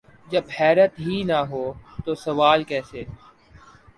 جب حیرت ہی نہ ہو تو سوال کیسے؟